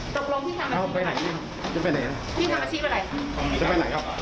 พี่ข่าวจะไปเขียนเกินเลยมันไม่ดีมันเสียหาย